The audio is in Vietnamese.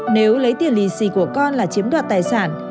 nếu lấy tiền lì xì của con là chiếm đoạt tài sản